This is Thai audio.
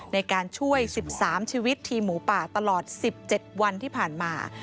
ในการช่วย๑๓ชีวิตทีมหมูป่าตลอด๑๗วันที่ผ่านมา